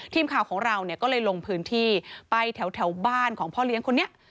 ทีมข่าวของเราเนี่ยก็เลยลงพื้นที่ไปแถวบ้านของพ่อเลี้ยงคนนี้